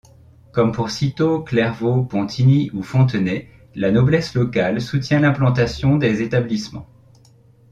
Comme pour Cîteaux, Clairvaux, Pontigny ou Fontenay, la noblesse locale soutient l’implantation des établissements.